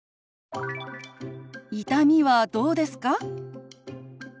「痛みはどうですか？」。